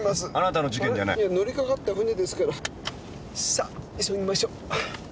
さぁ急ぎましょう。